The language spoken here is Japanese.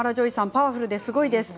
パワフルで、すごいです。